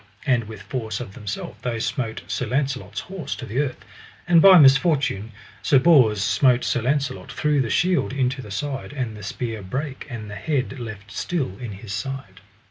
And with force of themself they smote Sir Launcelot's horse to the earth; and by misfortune Sir Bors smote Sir Launcelot through the shield into the side, and the spear brake, and the head left still in his side.